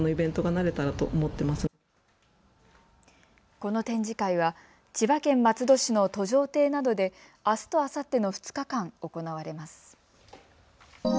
この展示会は千葉県松戸市の戸定邸などであすとあさっての２日間行われます。